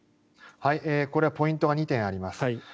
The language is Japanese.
これはポイントが２点あります。